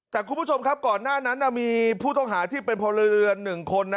แต่คุณผู้ชมครับก่อนหน้านั้นมีผู้ต้องหาที่เป็นพลเรือน๑คนนะ